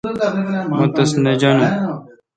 مہ تس نہ جانو۔